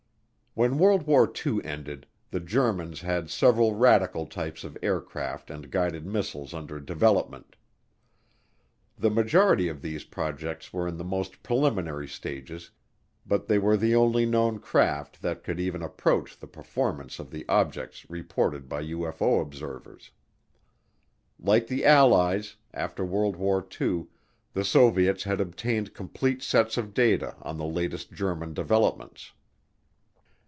When World War II ended, the Germans had several radical types of aircraft and guided missiles under development. The majority of these projects were in the most preliminary stages but they were the only known craft that could even approach the performance of the objects reported by UFO observers. Like the Allies, after World War II the Soviets had obtained complete sets of data on the latest German developments.